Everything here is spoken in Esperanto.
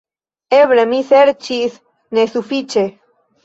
Eble mi serĉis nesufiĉe.